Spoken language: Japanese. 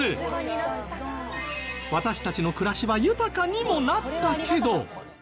私たちの暮らしは豊かにもなったけど。